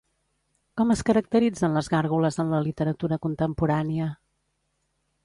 Com es caracteritzen les gàrgoles en la literatura contemporània?